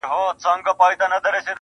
ها د فلسفې خاوند ها شتمن شاعر وايي.